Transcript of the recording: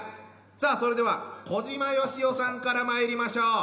さあそれでは小島よしおさんからまいりましょう。